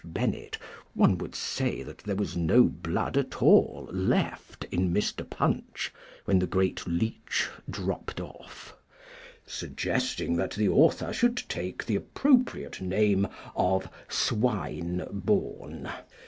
Bennett, one would say that there was no blood at all left in Mr. Punch when the great Leech dropped off), suggesting that the author should take the appropriate name of Swine born.